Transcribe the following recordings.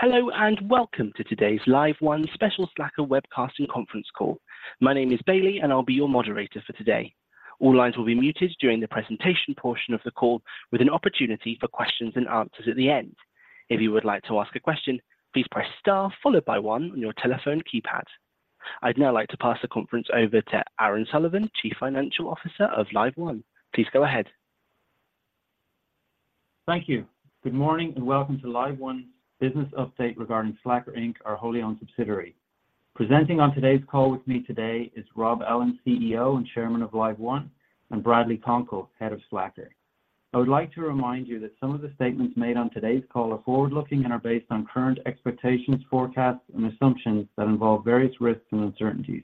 Hello, and welcome to today's LiveOne special Slacker webcast and conference call. My name is Bailey, and I'll be your moderator for today. All lines will be muted during the presentation portion of the call, with an opportunity for questions and answers at the end. If you would like to ask a question, please press star followed by one on your telephone keypad. I'd now like to pass the conference over to Aaron Sullivan, Chief Financial Officer of LiveOne. Please go ahead. Thank you. Good morning, and welcome to LiveOne business update regarding Slacker Inc., our wholly-owned subsidiary. Presenting on today's call with me today is Rob Ellin, CEO and Chairman of LiveOne, and Bradley Konkol, Head of Slacker. I would like to remind you that some of the statements made on today's call are forward-looking and are based on current expectations, forecasts, and assumptions that involve various risks and uncertainties.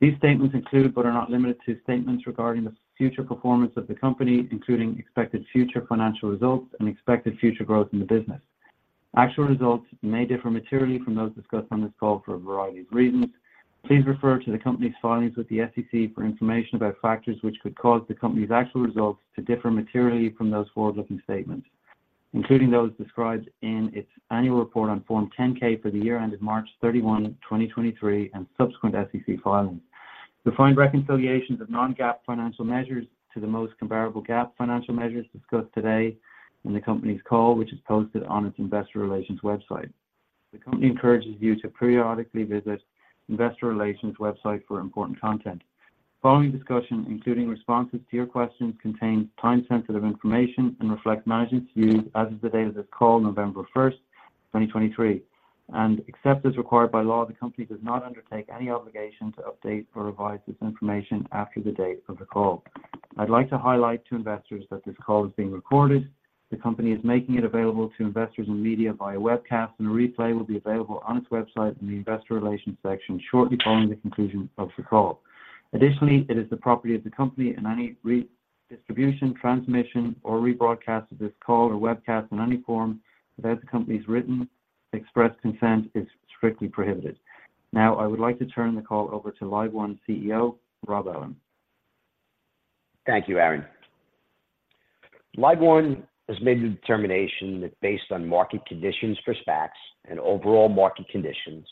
These statements include, but are not limited to, statements regarding the future performance of the company, including expected future financial results and expected future growth in the business. Actual results may differ materially from those discussed on this call for a variety of reasons. Please refer to the company's filings with the SEC for information about factors which could cause the company's actual results to differ materially from those forward-looking statements, including those described in its annual report on Form 10-K for the year ended 31 March, 2023, and subsequent SEC filings. You'll find reconciliations of non-GAAP financial measures to the most comparable GAAP financial measures discussed today in the company's call, which is posted on its investor relations website. The company encourages you to periodically visit investor relations website for important content. The following discussion, including responses to your questions, contains time-sensitive information and reflect management's views as of the date of this call, 1 November, 2023. Except as required by law, the company does not undertake any obligation to update or revise this information after the date of the call. I'd like to highlight to investors that this call is being recorded. The company is making it available to investors and media via webcast, and a replay will be available on its website in the investor relations section shortly following the conclusion of the call. Additionally, it is the property of the company and any redistribution, transmission, or rebroadcast of this call or webcast in any form without the company's written express consent is strictly prohibited. Now, I would like to turn the call over to LiveOne CEO, Rob Ellin. Thank you, Aaron. LiveOne has made the determination that based on market conditions for SPACs and overall market conditions,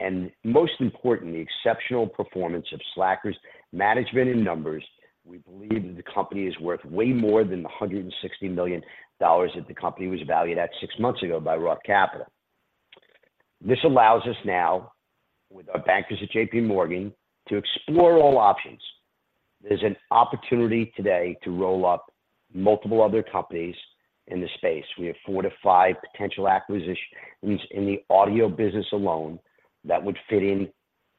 and most importantly, exceptional performance of Slacker's management in numbers, we believe that the company is worth way more than $160 million that the company was valued at six months ago by Roth Capital. This allows us now, with our bankers at J.P. Morgan, to explore all options. There's an opportunity today to roll up multiple other companies in the space. We have four to five potential acquisitions in the audio business alone that would fit in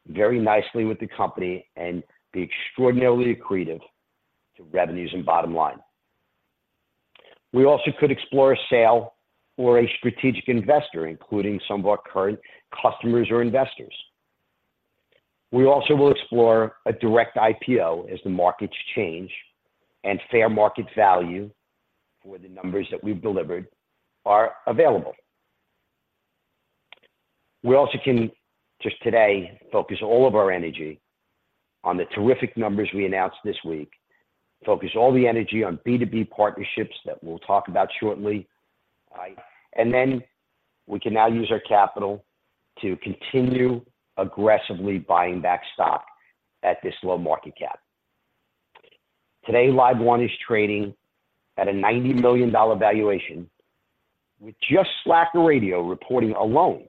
very nicely with the company and be extraordinarily accretive to revenues and bottom line. We also could explore a sale or a strategic investor, including some of our current customers or investors. We also will explore a direct IPO as the markets change and fair market value for the numbers that we've delivered are available. We also can, just today, focus all of our energy on the terrific numbers we announced this week, focus all the energy on B2B partnerships that we'll talk about shortly. And then we can now use our capital to continue aggressively buying back stock at this low market cap. Today, LiveOne is trading at a $90 million valuation with just Slacker Radio reporting alone.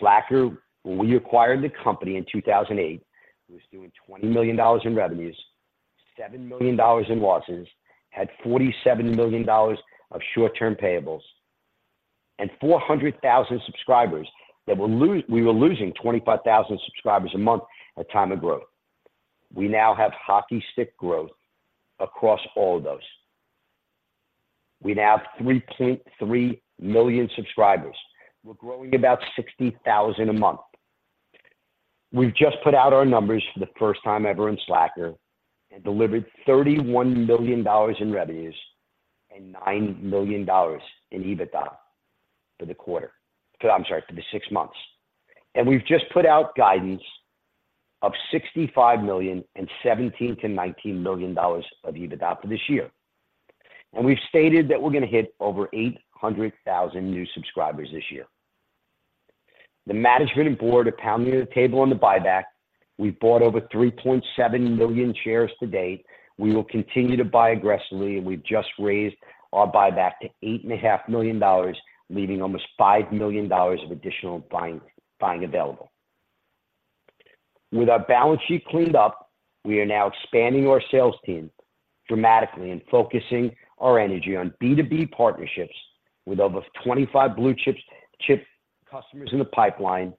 Slacker, when we acquired the company in 2008, it was doing $20 million in revenues, $7 million in losses, had $47 million of short-term payables and 400,000 subscribers that we were losing 25,000 a month at time of growth. We now have hockey stick growth across all of those. We now have 3.3 million subscribers. We're growing about 60,000 a month. We've just put out our numbers for the first time ever in Slacker and delivered $31 million in revenues and $9 million in EBITDA for the quarter... I'm sorry, for the six months. We've just put out guidance of $65 million and $17-19 million of EBITDA for this year. We've stated that we're going to hit over 800,000 new subscribers this year. The management and board are pounding on the table on the buyback. We've bought over 3.7 million shares to date. We will continue to buy aggressively, and we've just raised our buyback to $8.5 million, leaving almost $5 million of additional buying available. With our balance sheet cleaned up, we are now expanding our sales team dramatically and focusing our energy on B2B partnerships with over 25 blue-chip customers in the pipeline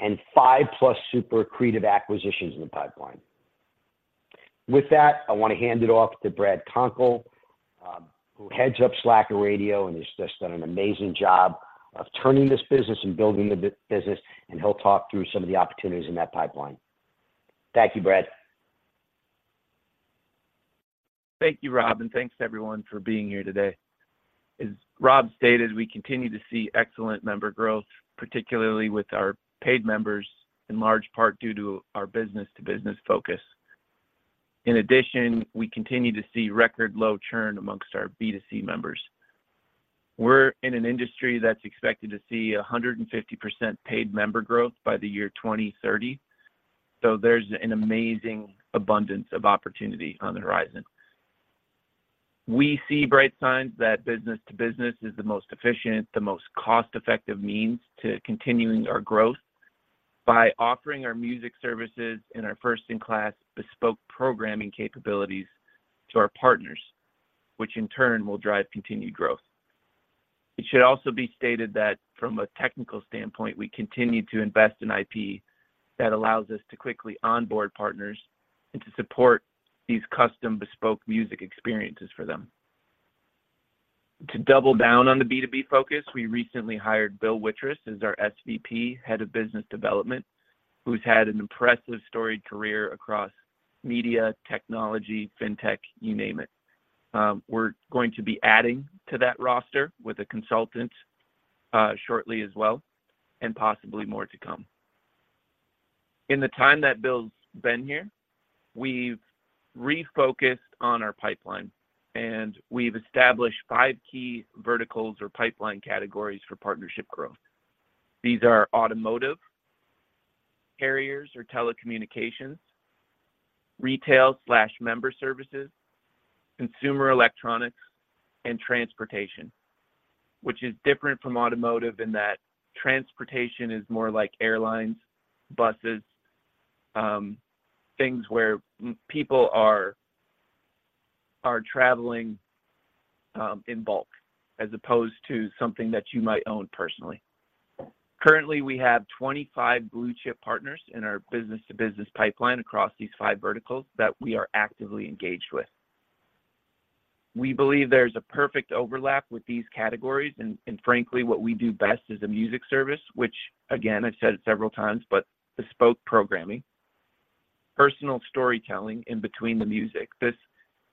and five plus super accretive acquisitions in the pipeline. With that, I want to hand it off to Brad Konkol, who heads up Slacker Radio and has just done an amazing job of turning this business and building the business, and he'll talk through some of the opportunities in that pipeline. Thank you, Brad. Thank you, Rob, and thanks to everyone for being here today. As Rob stated, we continue to see excellent member growth, particularly with our paid members, in large part due to our business to business focus. ...In addition, we continue to see record low churn among our B2C members. We're in an industry that's expected to see 150% paid member growth by the year 2030, so there's an amazing abundance of opportunity on the horizon. We see bright signs that business to business is the most efficient, the most cost-effective means to continuing our growth by offering our music services and our first-in-class bespoke programming capabilities to our partners, which in turn will drive continued growth. It should also be stated that from a technical standpoint, we continue to invest in IP that allows us to quickly onboard partners and to support these custom bespoke music experiences for them. To double down on the B2B focus, we recently hired Bill Witter as our SVP, Head of Business Development, who's had an impressive storied career across media, technology, fintech, you name it. We're going to be adding to that roster with a consultant, shortly as well, and possibly more to come. In the time that Bill's been here, we've refocused on our pipeline, and we've established five key verticals or pipeline categories for partnership growth. These are automotive, carriers or telecommunications, retail/member services, consumer electronics, and transportation, which is different from automotive in that transportation is more like airlines, buses, things where people are traveling in bulk, as opposed to something that you might own personally. Currently, we have 25 blue-chip partners in our business-to-business pipeline across these five verticals that we are actively engaged with. We believe there's a perfect overlap with these categories, and frankly, what we do best is a music service, which again, I've said it several times, but bespoke programming, personal storytelling in between the music. This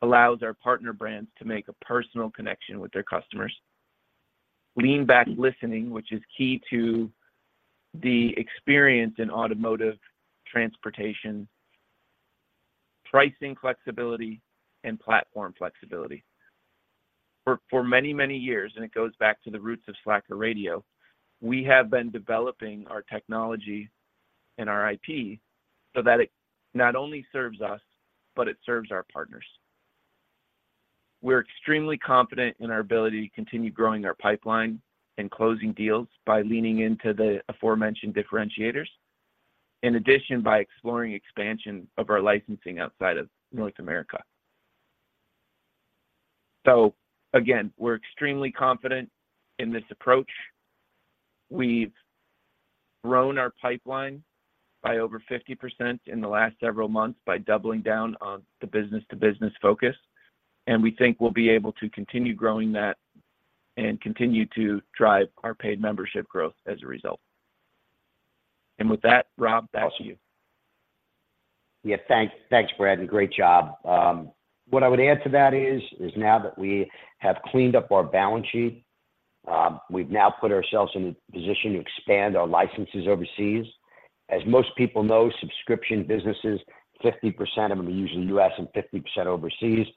allows our partner brands to make a personal connection with their customers. Lean-back listening, which is key to the experience in automotive, transportation, pricing flexibility, and platform flexibility. For many, many years, and it goes back to the roots of Slacker Radio, we have been developing our technology and our IP so that it not only serves us, but it serves our partners. We're extremely confident in our ability to continue growing our pipeline and closing deals by leaning into the aforementioned differentiators, in addition, by exploring expansion of our licensing outside of North America. So again, we're extremely confident in this approach. We've grown our pipeline by over 50% in the last several months by doubling down on the business-to-business focus, and we think we'll be able to continue growing that and continue to drive our paid membership growth as a result. With that, Rob, back to you. Yeah, thanks. Thanks, Brad, and great job. What I would add to that is now that we have cleaned up our balance sheet, we've now put ourselves in a position to expand our licenses overseas. As most people know, subscription businesses, 50% of them are usually U.S. and 50% overseas.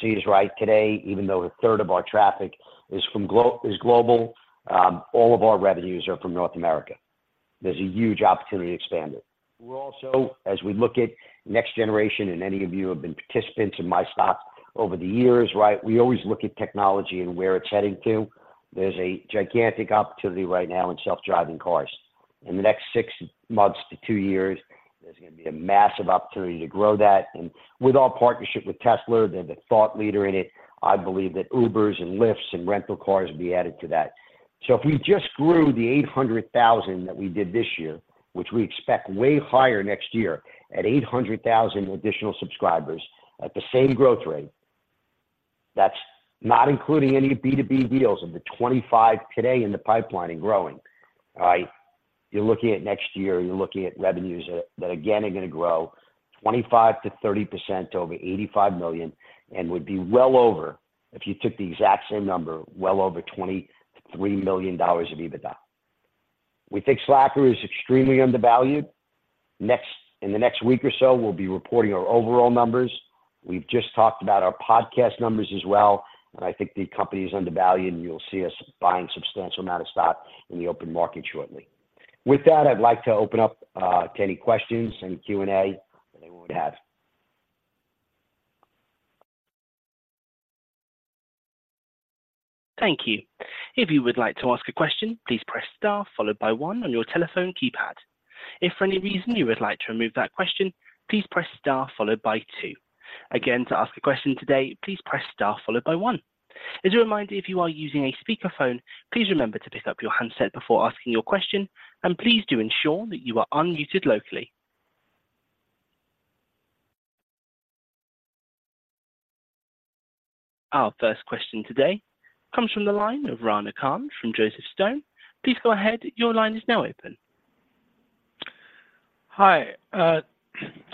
So he's right today, even though a third of our traffic is from global, all of our revenues are from North America. There's a huge opportunity to expand it. We're also, as we look at next generation, and any of you who have been participants in my stock over the years, right? We always look at technology and where it's heading to. There's a gigantic opportunity right now in self-driving cars. In the next six months to two years, there's gonna be a massive opportunity to grow that. And with our partnership with Tesla, they're the thought leader in it. I believe that Ubers and Lyfts and rental cars will be added to that. So if we just grew the 800,000 that we did this year, which we expect way higher next year at 800,000 additional subscribers at the same growth rate, that's not including any B2B deals of the 25 today in the pipeline and growing. All right? You're looking at next year, you're looking at revenues that again, are gonna grow 25%-30% over $85 million and would be well over, if you took the exact same number, well over $23 million of EBITDA. We think Slacker is extremely undervalued. Next. In the next week or so, we'll be reporting our overall numbers. We've just talked about our podcast numbers as well, and I think the company is undervalued, and you'll see us buying substantial amount of stock in the open market shortly. With that, I'd like to open up to any questions, any Q&A that anyone would have. Thank you. If you would like to ask a question, please press star followed by one on your telephone keypad. If for any reason you would like to remove that question, please press star followed by two. Again, to ask a question today, please press star followed by one. As a reminder, if you are using a speakerphone, please remember to pick up your handset before asking your question, and please do ensure that you are unmuted locally. Our first question today comes from the line of Rana Khan from Joseph Stone. Please go ahead. Your line is now open. Hi,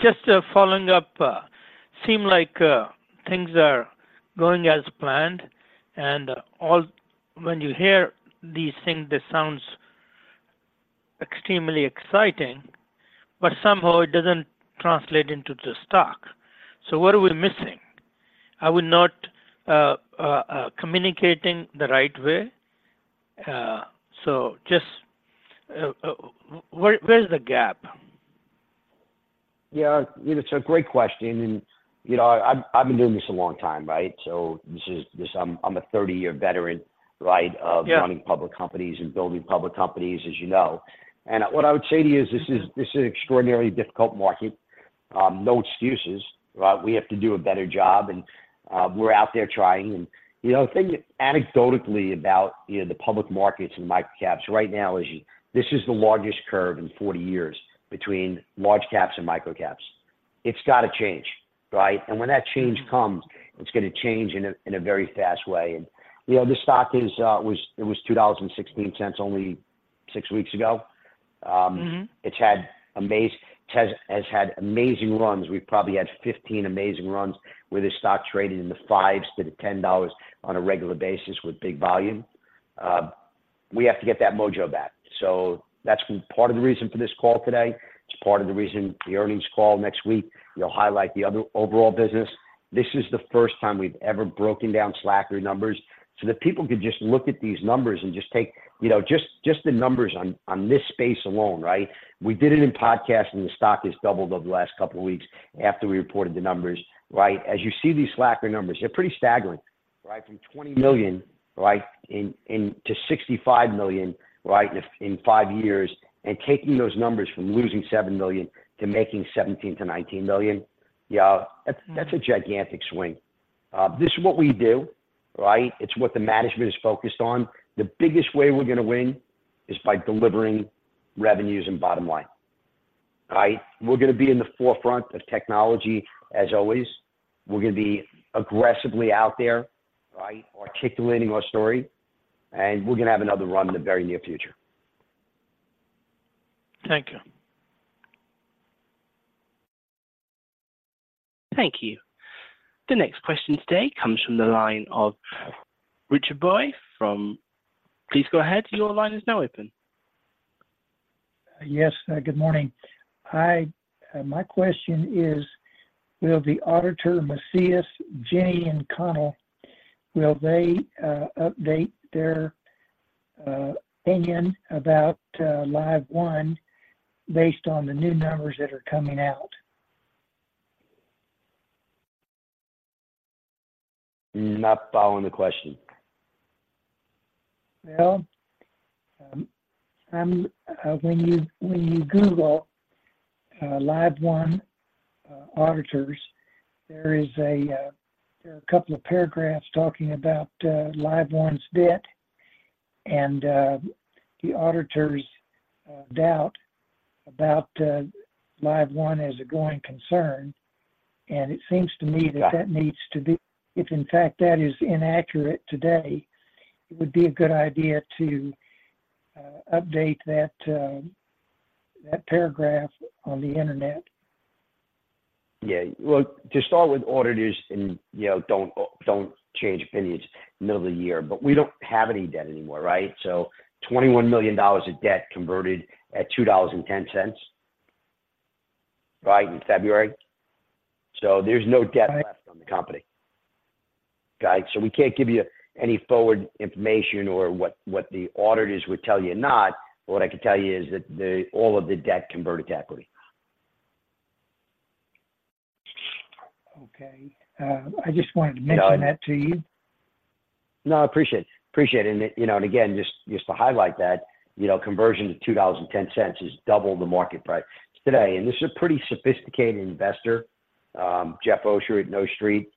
just following up, seem like things are going as planned, and all - when you hear these things, this sounds-... extremely exciting, but somehow it doesn't translate into the stock. So what are we missing? Are we not communicating the right way? So just, where's the gap? Yeah, it's a great question, and, you know, I've, I've been doing this a long time, right? So, I'm, I'm a 30-year veteran, right? Yeah... of running public companies and building public companies, as you know. And what I would say to you is, this is an extraordinarily difficult market. No excuses, right? We have to do a better job, and we're out there trying. And, you know, the thing anecdotally about, you know, the public markets and micro caps right now is, this is the largest curve in 40 years between large caps and micro caps. It's got to change, right? And when that change comes, it's gonna change in a very fast way. And, you know, this stock is, was- it was $2.16 only six weeks ago. Mm-hmm. It has, has had amazing runs. We've probably had 15 amazing runs, where the stock traded in the $5 to the $10 on a regular basis with big volume. We have to get that mojo back. So that's part of the reason for this call today. It's part of the reason the earnings call next week, we'll highlight the other overall business. This is the first time we've ever broken down Slacker numbers, so that people could just look at these numbers and just take, you know, just, just the numbers on, on this space alone, right? We did it in podcast, and the stock has doubled over the last couple of weeks after we reported the numbers, right? As you see these Slacker numbers, they're pretty staggering, right? From $20 million, right, to $65 million, right, in five years, and taking those numbers from losing $7 million to making $17-19 million. Yeah, that's- Mm-hmm... that's a gigantic swing. This is what we do, right? It's what the management is focused on. The biggest way we're gonna win is by delivering revenues and bottom line, right? We're gonna be in the forefront of technology, as always. We're gonna be aggressively out there, right, articulating our story, and we're gonna have another run in the very near future. Thank you. Thank you. The next question today comes from the line of Richard Boyd from... Please go ahead. Your line is now open. Yes, good morning. Hi, my question is, will the auditor, Macias Gini & O'Connell, will they update their opinion about LiveOne based on the new numbers that are coming out? Not following the question. Well, when you Google LiveOne auditors, there are a couple of paragraphs talking about LiveOne's debt, and the auditors' doubt about LiveOne as a going concern, and it seems to me that- Got you... that needs to be, if in fact that is inaccurate today, it would be a good idea to update that, that paragraph on the Internet. Yeah. Well, to start with, auditors and, you know, don't, don't change opinions middle of the year, but we don't have any debt anymore, right? So $21 million of debt converted at $2.10, right, in February. So there's no debt left- Right... on the company. Right, so we can't give you any forward information or what the auditors would tell you or not, but what I can tell you is that all of the debt converted to equity. Okay. I just wanted to mention that to you. No, I appreciate, appreciate it. And, you know, and again, just, just to highlight that, you know, conversion to $2.10 is double the market price today, and this is a pretty sophisticated investor, Jeff Osher at No Street.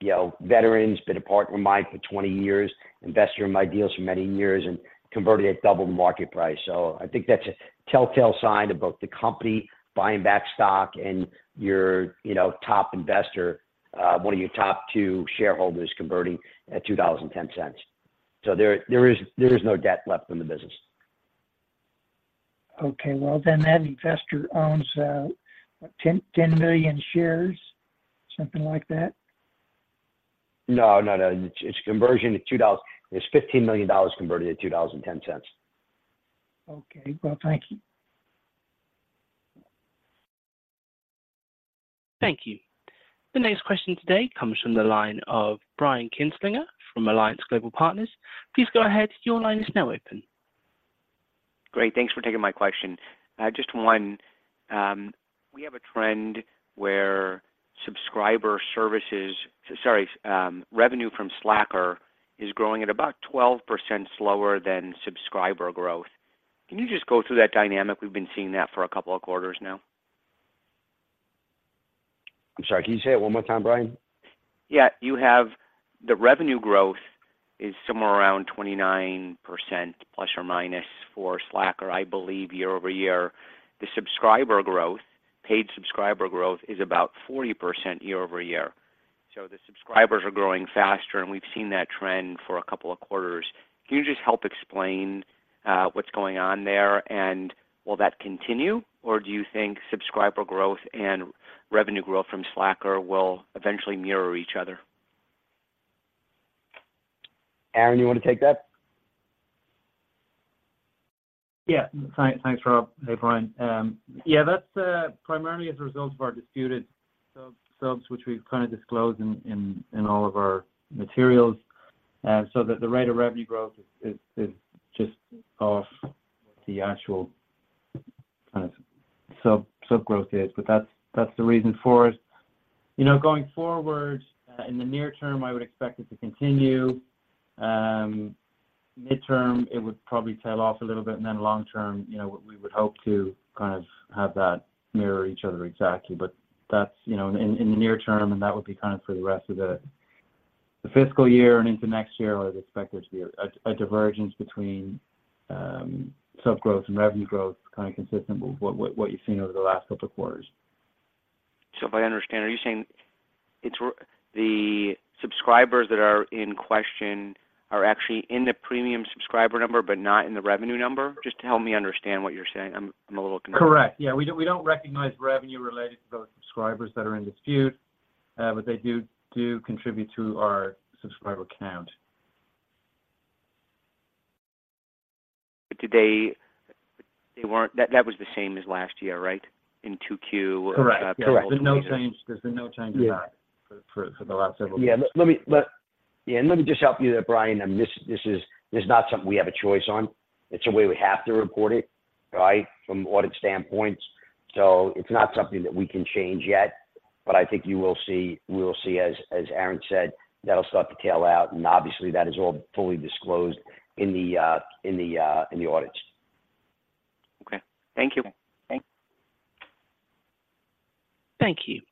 You know, veteran, he's been a partner of mine for 20 years, investor in my deals for many years and converted at double the market price. So I think that's a telltale sign of both the company buying back stock and your, you know, top investor, one of your top two shareholders converting at $2.10. So there is no debt left in the business. Okay, well, then that investor owns 10 million shares, something like that? No, not at all. It's conversion to $2. It's $15 million converted to $2.10. Okay. Well, thank you. Thank you. The next question today comes from the line of Brian Kinstlinger from Alliance Global Partners. Please go ahead. Your line is now open. Great, thanks for taking my question. Just one, we have a trend where subscriber services revenue from Slacker is growing at about 12% slower than subscriber growth. Can you just go through that dynamic? We've been seeing that for a couple of quarters now. I'm sorry. Can you say it one more time, Brian? Yeah. You have the revenue growth is somewhere around 29% ± for Slacker, I believe, year-over-year. The subscriber growth, paid subscriber growth, is about 40% year-over-year. So the subscribers are growing faster, and we've seen that trend for a couple of quarters. Can you just help explain, what's going on there, and will that continue, or do you think subscriber growth and revenue growth from Slacker will eventually mirror each other?... Aaron, you want to take that? Yeah. Thanks, thanks, Rob. Hey, Brian. Yeah, that's primarily as a result of our disputed subs, which we've kind of disclosed in all of our materials. So the rate of revenue growth is just off the actual kind of sub, sub growth, but that's the reason for it. You know, going forward, in the near term, I would expect it to continue. Mid-term, it would probably tail off a little bit, and then long-term, you know, we would hope to kind of have that mirror each other exactly. But that's, you know, in the near term, and that would be kind of for the rest of the fiscal year and into next year. I would expect there to be a divergence between sub growth and revenue growth, kind of consistent with what you've seen over the last couple of quarters. So if I understand, are you saying it's the subscribers that are in question are actually in the premium subscriber number, but not in the revenue number? Just to help me understand what you're saying. I'm a little confused. Correct. Yeah, we don't, we don't recognize revenue related to those subscribers that are in dispute, but they do, do contribute to our subscriber count. But do they-- They weren't... That, that was the same as last year, right? In 2Q of- Correct. Correct. There's been no change, there's been no change in that- Yeah... for the last several years. Yeah. Let me... Yeah, and let me just help you there, Brian. This is not something we have a choice on. It's a way we have to report it, right, from audit standpoints. So it's not something that we can change yet, but I think you will see, we will see, as Aaron said, that'll start to tail out, and obviously, that is all fully disclosed in the audits. Okay. Thank you. Thanks. Thank you.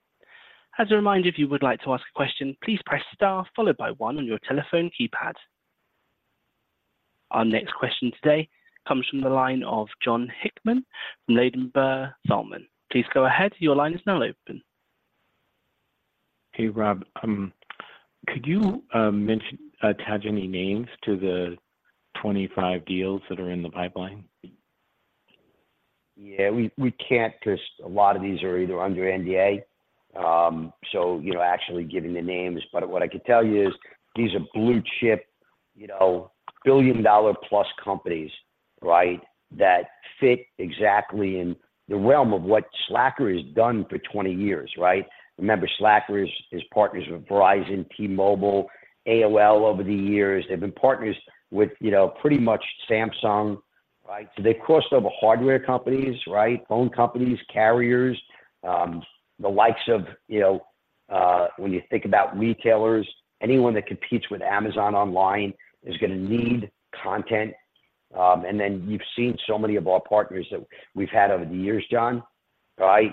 As a reminder, if you would like to ask a question, please press star followed by one on your telephone keypad. Our next question today comes from the line of Jon Hickman from Ladenburg Thalmann. Please go ahead. Your line is now open. Hey, Rob, could you mention attach any names to the 25 deals that are in the pipeline? Yeah, we can't because a lot of these are either under NDA, so, you know, actually giving the names. But what I can tell you is these are blue-chip, you know, billion-dollar plus companies, right, that fit exactly in the realm of what Slacker has done for 20 years, right? Remember, Slacker is, is partners with Verizon, T-Mobile, AOL over the years. They've been partners with, you know, pretty much Samsung, right? So they crossed over hardware companies, right? Phone companies, carriers, the likes of, you know, when you think about retailers, anyone that competes with Amazon online is gonna need content. And then you've seen so many of our partners that we've had over the years, John, right?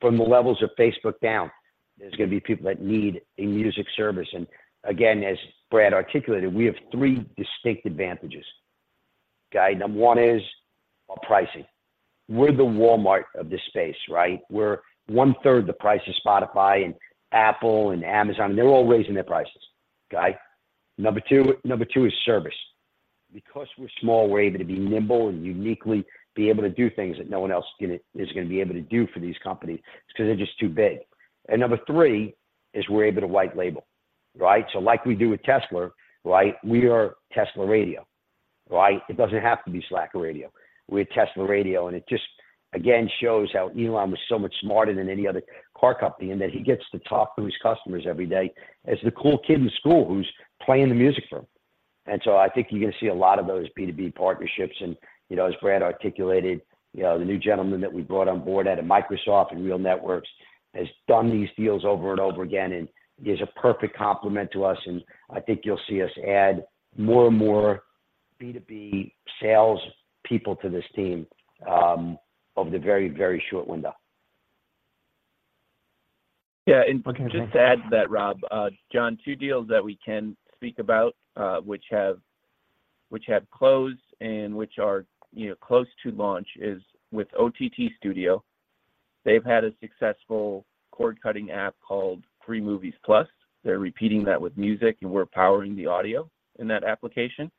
From the levels of Facebook down, there's gonna be people that need a music service. And again, as Brad articulated, we have three distinct advantages. Okay, number one is our pricing. We're the Walmart of this space, right? We're one-third the price of Spotify and Apple and Amazon. They're all raising their prices. Okay? Number two, number two is service. Because we're small, we're able to be nimble and uniquely be able to do things that no one else is gonna be able to do for these companies because they're just too big. And number three, is we're able to white label, right? So like we do with Tesla, right? We are Tesla Radio, right? It doesn't have to be Slacker Radio. We're Tesla Radio, and it just again, shows how Elon was so much smarter than any other car company, and that he gets to talk to his customers every day as the cool kid in school who's playing the music for him. So I think you're gonna see a lot of those B2B partnerships, and, you know, as Brad articulated, you know, the new gentleman that we brought on board out of Microsoft and RealNetworks has done these deals over and over again and is a perfect complement to us, and I think you'll see us add more and more B2B sales people to this team over the very, very short window. Yeah, and just to add to that, Rob, John, two deals that we can speak about, which have closed and which are, you know, close to launch is with OTT Studio. They've had a successful cord-cutting app called Free Movies Plus. They're repeating that with music, and we're powering the audio in that application.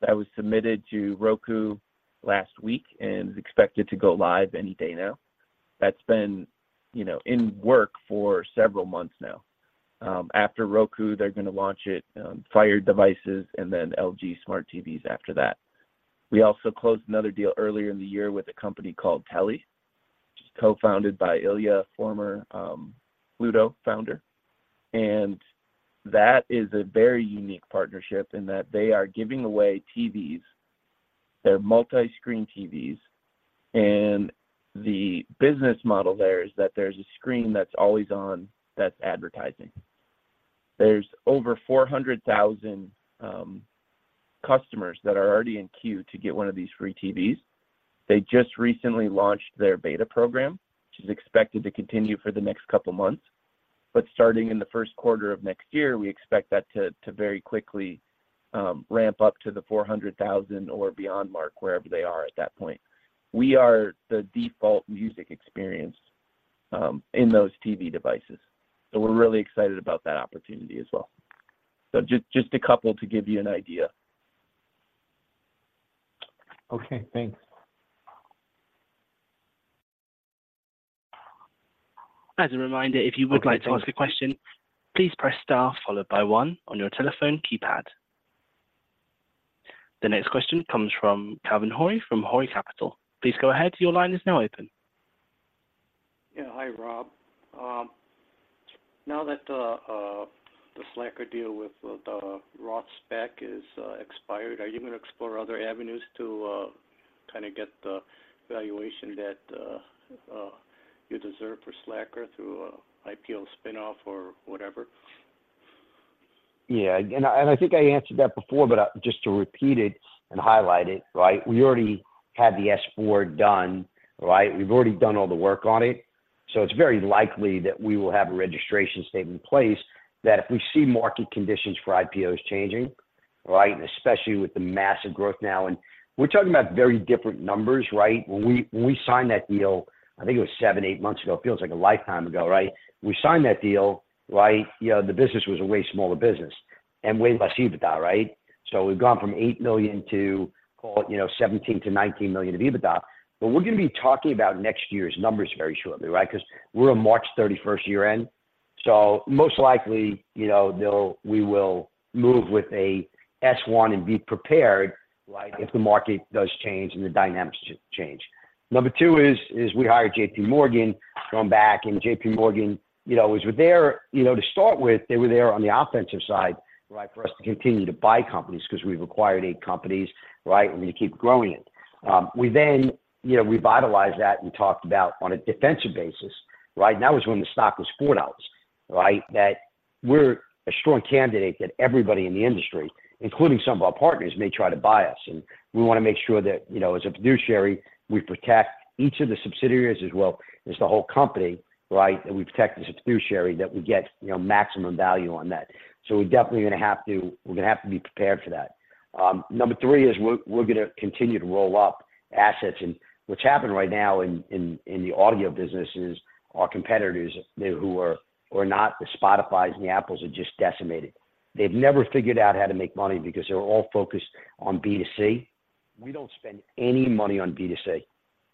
That was submitted to Roku last week and is expected to go live any day now. That's been, you know, in work for several months now. After Roku, they're gonna launch it on Fire devices and then LG Smart TVs after that. We also closed another deal earlier in the year with a company called Telly, which is co-founded by Ilya, a former Pluto founder, and that is a very unique partnership in that they are giving away TVs. They're multi-screen TVs, and the business model there is that there's a screen that's always on, that's advertising. There's over 400,000 customers that are already in queue to get one of these free TVs. They just recently launched their beta program, which is expected to continue for the next couple of months, but starting in the first quarter of next year, we expect that to very quickly ramp up to the 400,000 or beyond mark, wherever they are at that point. We are the default music experience in those TV devices, so we're really excited about that opportunity as well. So just a couple to give you an idea. Okay, thanks. ...As a reminder, if you would like to ask a question, please press star followed by one on your telephone keypad. The next question comes from Calvin Hori from Hori Capital. Please go ahead. Your line is now open. Yeah, hi, Rob. Now that the Slacker deal with the Roth SPAC is expired, are you gonna explore other avenues to kind of get the valuation that you deserve for Slacker through an IPO spin-off or whatever? Yeah, and I think I answered that before, but just to repeat it and highlight it, right? We already had the S-4 done, right? We've already done all the work on it, so it's very likely that we will have a registration statement in place that if we see market conditions for IPOs changing, right, and especially with the massive growth now, and we're talking about very different numbers, right? When we signed that deal, I think it was seven to eight months ago, it feels like a lifetime ago, right? We signed that deal, right, you know, the business was a way smaller business and way less EBITDA, right? So we've gone from $8 million to call it, you know, $17-19 million of EBITDA. But we're gonna be talking about next year's numbers very shortly, right? 'Cause we're a March 31st year-end, so most likely, you know, they'll—we will move with a S-1 and be prepared, like if the market does change and the dynamics change. Number two is, is we hired J.P. Morgan, going back, and J.P. Morgan, you know, was there, you know, to start with, they were there on the offensive side, right, for us to continue to buy companies because we've acquired eight companies, right? And we're gonna keep growing it. We then, you know, revitalized that and talked about on a defensive basis, right? And that was when the stock was $4, right? That we're a strong candidate, that everybody in the industry, including some of our partners, may try to buy us, and we wanna make sure that, you know, as a fiduciary, we protect each of the subsidiaries as well as the whole company, right? That we protect the fiduciary, that we get, you know, maximum value on that. So we're definitely gonna have to... we're gonna have to be prepared for that. Number three is we're gonna continue to roll up assets, and what's happening right now in the audio business is our competitors, they who are not the Spotifys and the Apples are just decimated. They've never figured out how to make money because they're all focused on B2C. We don't spend any money on B2C.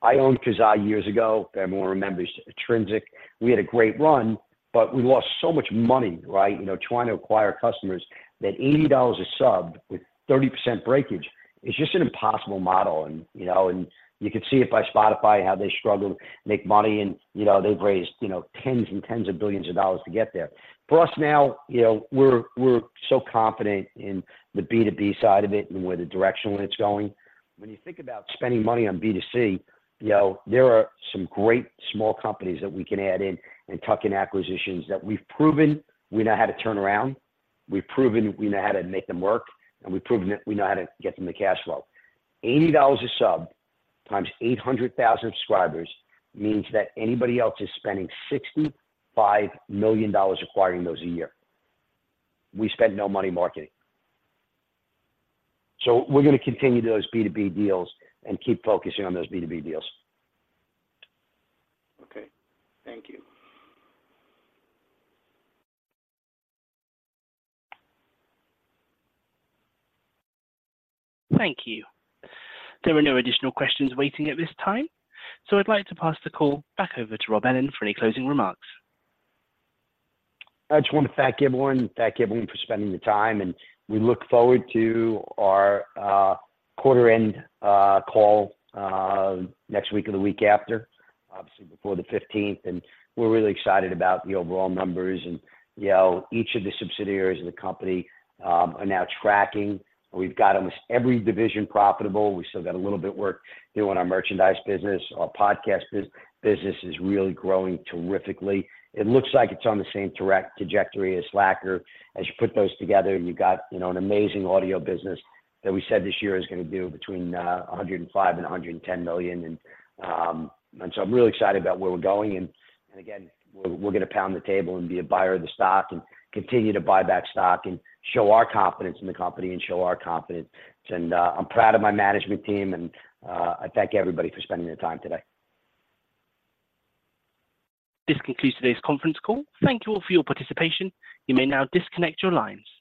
I owned Kazaa years ago, everyone remembers Trinad. We had a great run, but we lost so much money, right, you know, trying to acquire customers, that $80 a sub with 30% breakage is just an impossible model. And, you know, and you can see it by Spotify, how they struggle to make money, and, you know, they've raised, you know, tens and tens of billions of dollars to get there. For us now, you know, we're, we're so confident in the B2B side of it and where the direction when it's going. When you think about spending money on B2C, you know, there are some great small companies that we can add in and tuck-in acquisitions that we've proven we know how to turn around, we've proven we know how to make them work, and we've proven that we know how to get them the cash flow. $80 a sub times 800,000 subscribers means that anybody else is spending $65 million acquiring those a year. We spend no money marketing. We're gonna continue those B2B deals and keep focusing on those B2B deals. Okay. Thank you. Thank you. There are no additional questions waiting at this time, so I'd like to pass the call back over to Rob Ellin for any closing remarks. I just want to thank everyone, thank everyone for spending the time, and we look forward to our quarter-end call next week or the week after, obviously before the fifteenth. We're really excited about the overall numbers, and you know, each of the subsidiaries of the company are now tracking. We've got almost every division profitable. We've still got a little bit work doing our merchandise business. Our podcast business is really growing terrifically. It looks like it's on the same direct trajectory as Slacker. As you put those together, you've got, you know, an amazing audio business that we said this year is gonna do between $100-110 million. So I'm really excited about where we're going. Again, we're gonna pound the table and be a buyer of the stock and continue to buy back stock and show our confidence in the company and show our confidence. I'm proud of my management team, and I thank everybody for spending the time today. This concludes today's conference call. Thank you all for your participation. You may now disconnect your lines.